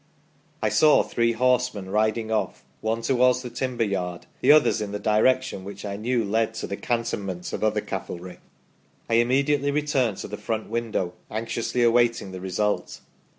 I saw three horsemen riding off, one towards the timber yard, the others in the direction which I knew led to the cantonments of other cavalry. I immediately returned to the front window, anxiously awaiting the result.